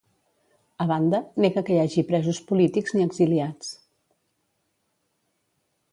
A banda, nega que hi hagi presos polítics ni exiliats.